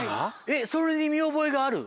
えっそれに見覚えがある？